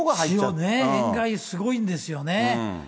塩ね、塩害すごいんですよね。